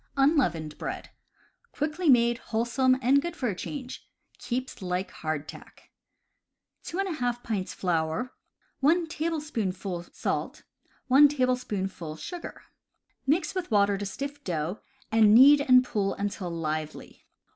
Unleavened Bread. — Quickly made, wholesome, and good for a change. Keeps like hardtack. 2^ pints flour, 1 tablespoonful sait, 1 " sugar. Mix with water to stiff dough, and knead and pull until lively.